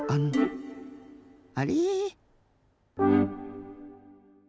あれ？